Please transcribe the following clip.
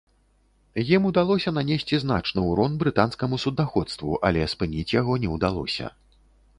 Ім удалося нанесці значны ўрон брытанскаму суднаходству, але спыніць яго не ўдалося.